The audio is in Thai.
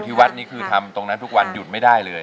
ที่วัดนี้คือทำตรงนั้นทุกวันหยุดไม่ได้เลย